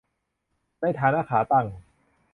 ในฐานะ 'ขาตั้ง'